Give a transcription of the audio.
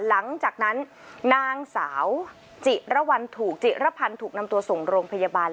หลังจากนั้นนางสาวจิระวัลถูกจิระพันธ์ถูกนำตัวส่งโรงพยาบาล